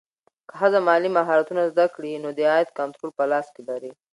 که ښځه مالي مهارتونه زده کړي، نو د عاید کنټرول په لاس کې لري.